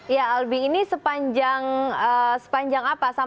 ya albi ini sepanjang apa